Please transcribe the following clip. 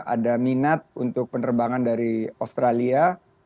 ada minat untuk penerbangan dari australia